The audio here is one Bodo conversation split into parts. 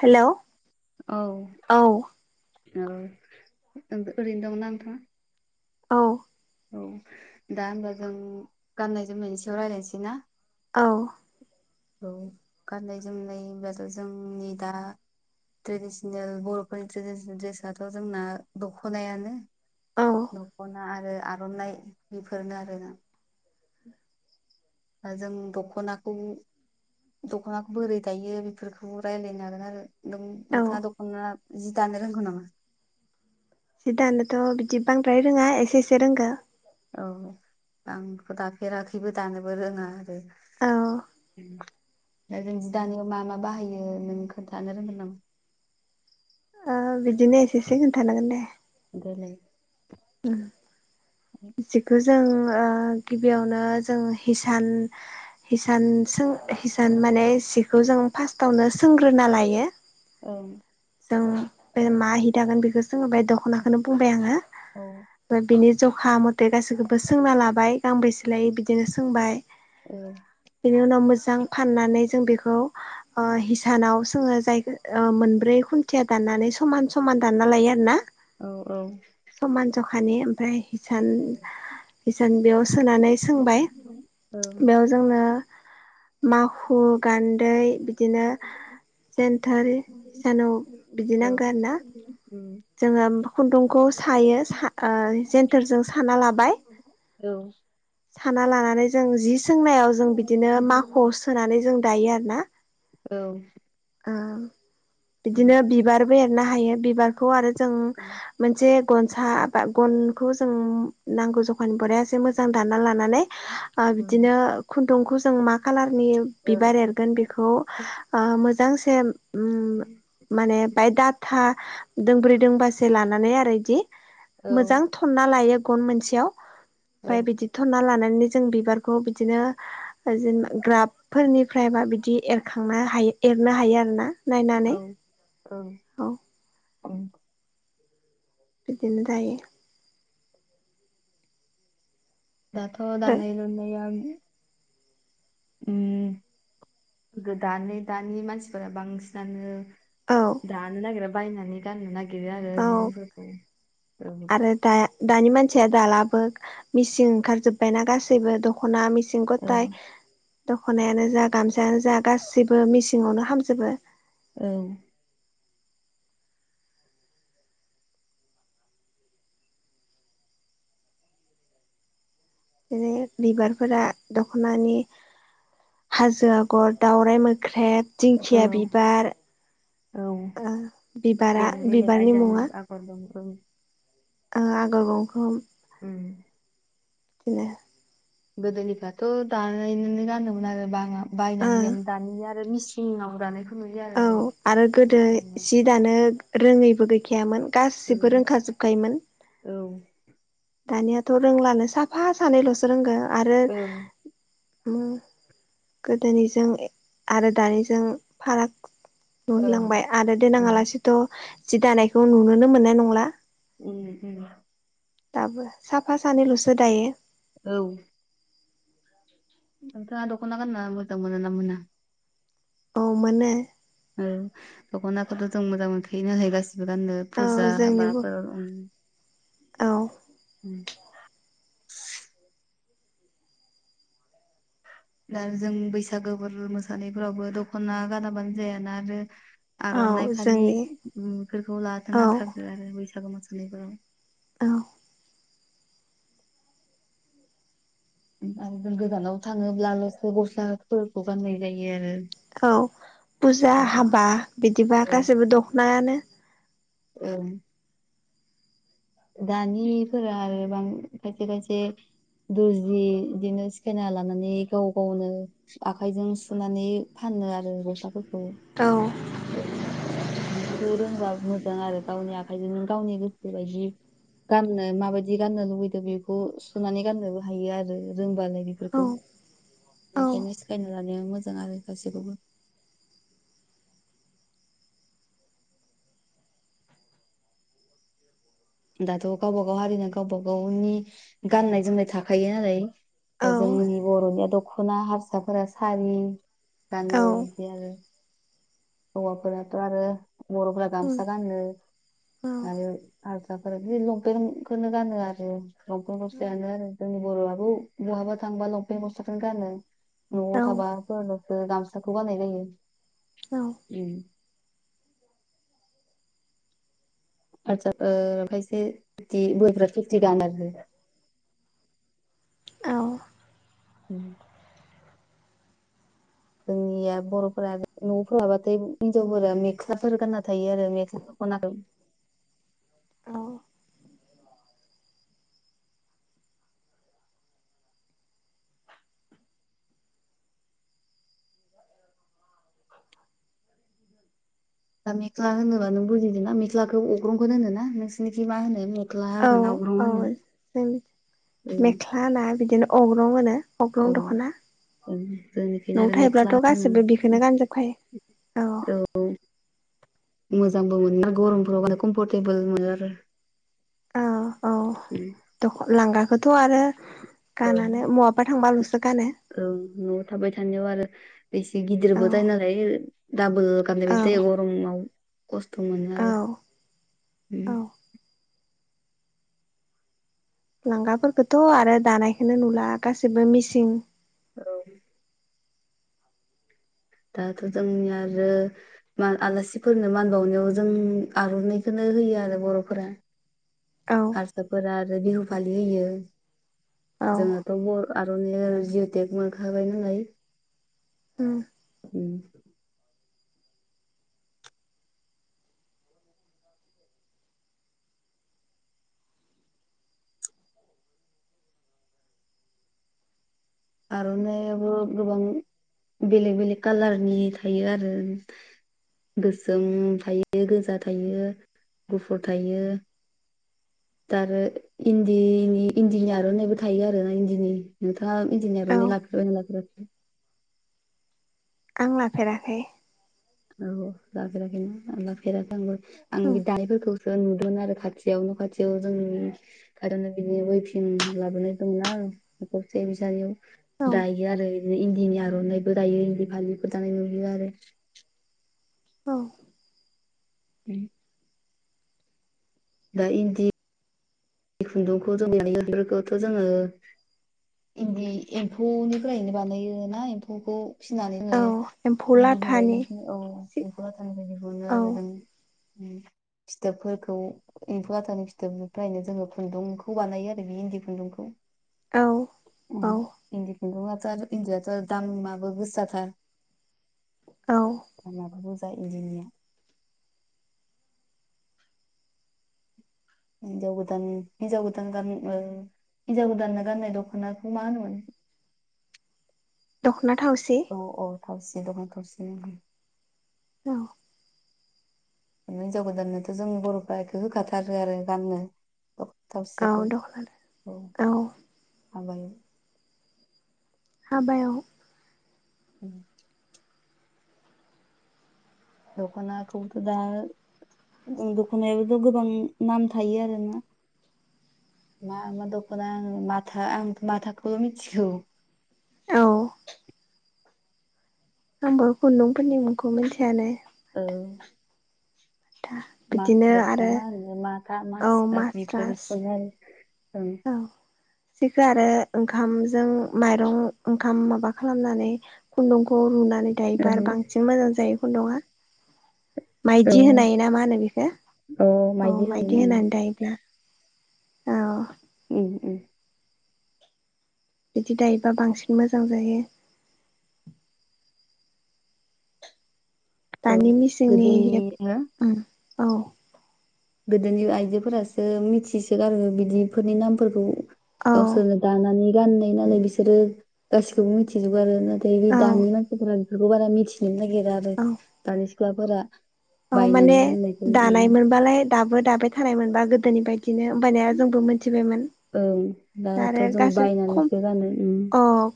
हेल' औ औ ओरैनो दंना नोंथाङा औ औ दा होनबा जों गाननाय जोमनायनि सायाव रायज्लायनोसै ना औ औ गाननाय जोमनाय होनब्लाथ' जोंनि दा ट्रेडिसनेल बर'फोरनि ट्रेडिसनेल दड्रेसाथ' जोंना दख'नायानो औ दख'ना आरो आर'नाइ बेफोरनो आरो जों दख'नाखौ दख'नाखौ बोरै दायो बेफोरखौ रायलायनो हागोन आरो औ नोंथाङा दख'ना जि दानो रोंगौ नामा जिदानोथ' बिदि बांद्राय रोङा एसे एसे रोंगो औ आंथ' दाफेराखैबो दानोबो रोङा आरो औ जों जि दानायाव मा मा बाहायो नों खोन्थानो रोंगोन नामा ओ बिदिनो एसेसे खोन्थानांगोन दे देलाय उ जिखौ जों ओ गिबियावनो जों हिसान हिसान सों हिसान माने सिखौ जों फार्स्टावनो सोंग्रोना लायो औ जों बे माहि दागोन बेखौ जोङो बे दख'नाखौनो बुंबाय औ आङो बिनि जखा मथे गासैखौबो सोंना लाबाय गांबेसे लायो बिदिनो सोंबाय औ बिनि उनाव मो फाननानै जों बेखौ हिसानाव जोङो जाय मोनब्रै खुथिया दान नानै समान समान दानना लायो आरो ना औ औ समान जखानि ओमफ्राय हिसान हिसान बेयाव सोनानै सोंबाय उम बेयाव जोंनो माखु गान दै बिदिनो जेन्थोर इसानाव बिदि औ नांगौ आरो ना जोङो खुन्दुंखौ सायो ओ जेेनथोरजों साना लाबाय औ साना लानानै जों जि सोंनायाव जों बिदिनो माख' सोनानै जों दायो आरो ना औ ओ उम बिदिनो बिबारबो एरनो हायो बिबारखौ आरो जों उम मोनसे गनसा बा गनखौ जों नांगौ जखानिफ्राय एसे मोजां दाना लानानै नै ओ ओं बिदिनो खुन्दुंखौ जों मा खालारनि बिबार एरगोन बेखौ ओ मो सेम ओम माने ओमफ्राय डाटा दोंब्रै दोंबासो लानानै आरो इदि औ मोजां थनना लायो गन मोनसेआव ओमफ्राय बिदि थनना लाना माने जों बिबारखौ बिदिनो जेनेबा ग्राबफोरनिफ्रायबा बिदि एरखांनो हायो एरनो हायो आरो ना नायनानै । ओं औ औ बिदिनो जायो । दाथ' आरो दानाय लुनाया उ गोदानै दानि मानसिफोरा बांसिनानो औ दानो नागेरा बायनानै गाननो ना [unintelligible] औ आरो औ [unintelligible] आरो दा दानि मानसिया दालाबो मिसिं ओंखारजोब्बायनाा गासैबो दख'ना मि सिं औ गथाय दख'नायानो जा गामसायानो जा गासैबो मेसिङावनो हामजोबो । औ। बिदिनो बिबारफोरा दखनानि हाजो आगर, दाावराइ मोख्रेब, औ दिंखिया बिबार औ ओ बिबारा बेलेग-बेलेग बिबारनि मुङा आयदानि आगर दं । ओ आगर गंखं उम । बिदिनो । गोदोनिफ्राथ' दानाय नोनो गानोमोन आरो बाङा ओ बायनानै गैयामोन दानिनिया आरो मिसि इंआव दानायखौ। नुयो आरो औ आरो गोदो बांसिनानो जि दानो रोङैबो गैखायामोन। गासिबो रोंखाजोबखायोमोन । ओं दानियाथ' रोंलानो साफा सानैल'सो रोंगो आरो ओं ओ गोदोनिजों आरो दानिजों फाराग नुलांबाय आरो उम देनाङालासेथ' जि दानायखौ नुनोनो मोननाय नंला । उम उम। दाबो साफा सानैल'सो दायो । औ। नोंथाङा दख'ना गानना मोजां मोनो ना मोना? औ मोनो । औ दख'नाखौथ' जों मोजां मोनखायो नालाय गासि बो गाननो औ फुजा जोंनिबो हाबाफोराव उ । औ। [inaudible] दा जों बैसागो फोर मोसानाय फोरावबो दख'ना गानाबानो जायाना औ आरो आर'नाइ फालि जोंनि बेफोरखौ लाथार औ नांथारगो आरो बैसागु मोसानायफोराव । औ। उ आरो जों गोजानाव थाङोब्लाल'सो गस्लाफोरखौ गाननाय जायो आरो । औ पुजा, हाबा बिदिबा गासैबो दखनायानो । उम। दानिफोरा आरोबां खायसे-खायसे दुरजि बिदिनो सिखायना लानानै गाव गावनो आखाइजों सुनानै फा नो आरो गस्लाफोरखौ औ। हायो बेफोरखौ रोंबा मोजां आरो गावनि आखाइजों गावनि गोसोबायदि गाननो माबायदि गाननो लुबैदों बेखौ सुनानै गाननोबो हायो आरो रोंबालाय औ बेफोरखौ । औ बेनिखायनो सिखायना लानाया मोजां आरो गासैखौबो। दाथ' गावबा गाव हारिना गावबा गावनि गाननाय जोमनाय थाखायो औ नालाय जोंनि बर'निया दख'ना, हारसाफोरा सारि औ गानो बिदि आरो । हौवाफोराथ' आरो बर'फोरा उम गामसा गानो औ आरो आ हारसाफोरा बि लंपेन्टखौनो गानो आरो लंपेंन गसलायानो आरो जोंनि बर'आबो बहाबा। थांबा लंफेन गस्लाखौनो गानो औ न'आव थाबाफोर लसो गामसाखौ गाननाय जायो। उम। आदसा ओ खायसे धुति बोरायफ्रा धुति गानो आरो। [inaudible] औ उम। जोंनिया बर'फोरा न'फोर लाबाथाय हिनजावफोरा मेक्लाफोर गानना थायो आरो मेक्ला खनादों औ दा मेख्ला होनोबा नों बुजिदों ना मेख्लाखौ अग्रंखौ होनो ना नोंसिोरनिखै मा होनो मे औ औ जों ओं मेख्ला होना बिदिनो अग्रं होनो औ अग्रं दख'ना ओं जोंनिखैना न'आव आरो मेख्ला थायोब्लाथ' गाससिबो बिखौनो गानजोबखायो औ मोजांबो मोनो गरमफोराव कमफर्टेबोल मोनो आरो औ औ दख लांगाखौथ' आरो औ गानानो महाबा थांबाल'सो गानो औ न'आव थाबाय थानायाव आरो एसे औ गिदिरबो दायो नालाय दाबोल औ गाननायबायदि जायो गरमाव खस्थ' मोनो औ आरो औ ओम लांगाफोरखौथ' आरो दानायखौनो नुला गाससिबो मिसिं औ दाथ' जोंनि आरो माआलासिफोरनो मान बावनायाव जों आर'नाइखौनो होयो आरो बर'फोरा औ हारसाफोरा आरो बिहु फालि होयो औ जोङोथ' बर' आर'नाइआ जिअ'टेक मोनखाबाय नालाय ओय उम आर'नाइयाबो गोबां बेलेग बेलेक कालारनि थायो आरो ओ गोसोम थायो गोजा थायो गुफुर थायो दा आरो इन्दिनि इन्दिनि आर'नाइबो थायो आरोना इन्दिनि दा औ इन्दिनि लाफेरबायना लाफेराखौ आं लाफेराखै औ लाफेराखैना लाफेराखै आंबो आं उम बे दाफोरखौसो नुदोंमोन आरो खाथियावनो न'खाथियाव जोंनि आरनाइ बिदिनो वइफिं लाबोनाय दंना बे बिसार औ [unintelligible] दायो आरो बिदिनो इन्दिनि आर'नाइबो गायो इन्दि फालिफोर दानाय नुयो आरो औ उम दा इन्दि बे खुन्दुंखौ जों दायो खौथ' जोङो इन्दि एम्फौनिफ्रायनो बानायोना एम्फौखौ फिसिनानै औ होयो एम्फौ इन्दि बिलाइ लाथानि औ सि एम्फौ लाथानिफ्राय बेखौ मोनो औ आरो जों फिथोबफोरखौ एम्फौ लाथानि फिथोबनिफ्रायनो जोङो खुन्दुंखौ बानायो आरो बे इन्दि खुन्दुंखौ औ ओम औ इन्दि खुन्दुंआ इन्दियाथ' दामाबो गोसा थार औ इन्दिनिया हिन्जाव गोदान हिनजाव गोदान गान ओ हिनजाव गोदानना गान्नाय दख'नाखौ मा होनोमोन दखनाथाउसि औ औ थावसि दखान थावसि होनो ओम औ हिन्जाव गोदाननोथ' जों बर'फ्रा एखौ होखाथारो आरो गाननो दख'ना थावसिखौ औ दखलानो औ हाबायो। हाबायाव उम दखनाखौथ' दा ओं दख'नायाबोथ' गोबां नाम थायो आरोना मा मा दखान मथा आंथ मथा खम मिथिगौ औ आंबो खुन्दुंफोरनि मुंखौ मिथियानो औ। दा बिदिनो मासस ना आरो मा होनो मा दा मास्रास बेफोरखौनो ओं जिखौ आरो ओंखामजों माइरं ओंखाम माबा खालामनानै खुन्दुंखौ रुनानै रैदाइबार आरो बांसिन मोजां जायै खुन्दुङा औ माइदि होनाय ना मा होनो बेखौ औ माइदि होनानै दायोब्ला औ उम उम बिदि दायोबा बांसिन मोजां जायो। औ दानि गोदोनि मिसिंनि हो ओम औ। गोदोनि आइजोफोरासो मिथिसोगारो बिदिफोरनि नामफोरखौ। औ गावसोरनो दानानै गाननाय नालाय बिसोरो गासिखौबो मिथिजोबबो आरो दैनि औ दानि मासिफ्रा बेफोरखौ बारा मिथिनोनो नागिरा आरो औ दानि सिख्लाफोरा औ माने बायनानै गाननायखौ उम दानाय मोनबालाय दाबो दाबाय थानाय मोनबा गोदोनि बायदि बिदिनो होनोमबानिया जोंबो मिथिबायमोन ओं दा दाथ' आरो जों बायनानैसो गानो ओम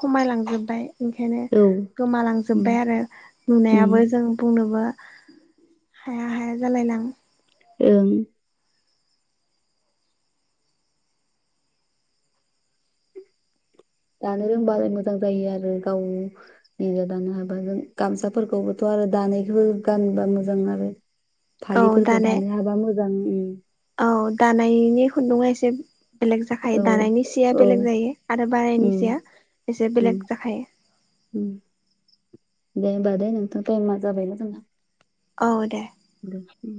खमायलांजोबबाय ओंखायनो उम गोमालांजोब्बाय आरो उम नुनायाबो जों बुंनोबो। हाया हाया जालायलां ओं दानो रोंबाल मोजां जायो आरो गाव निजा दानो हाबा जों गामसाफोरखौबोथ' आरो दानायखौबो गानोबा मोजां आरो औ फालिफोरखौ दानाय दानो हाबा मोजां उम औ दानायनि खुन्दुङा एसे बेलेग जाखायो औ दानायनि सिया औ बेलेग जायो आरो बारायनायनि उम सिया एसे उम बेलग जाखायो। उम दे होनोमबा दे नोंथ' टाइमा जाबायनाा जोंना औ दे। दे उम